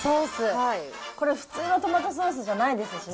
これ、普通のトマトソースじゃないですしね。